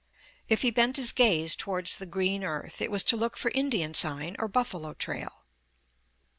If he bent his gaze towards the green earth, it was to look for 'Indian sign' or buffalo trail.